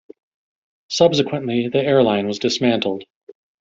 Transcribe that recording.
Subsequently, the airline was dismantled.